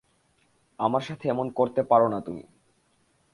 আমার সাথে এমন করতে পারো না তুমি।